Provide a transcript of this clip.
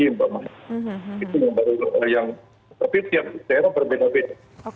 itu yang baru yang tapi tiap daerah berbeda beda